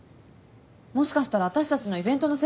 もしかしたら私たちのイベントのせいかも。